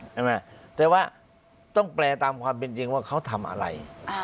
ใช่ไหมแต่ว่าต้องแปลตามความเป็นจริงว่าเขาทำอะไร